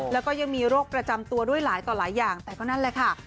แล้วก็ยังมีโรคประจำตัวด้วยหลายต่อหลายอย่างแต่ก็นั่นแหละค่ะ